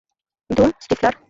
ধুর, স্টিফলার।